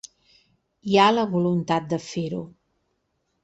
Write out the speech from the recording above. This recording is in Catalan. Hi ha la voluntat de fer-ho.